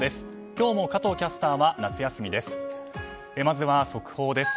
今日も加藤キャスターは夏休みです。